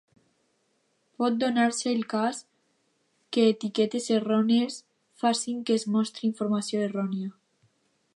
Pot donar-se el cas que etiquetes errònies facin que es mostri informació errònia.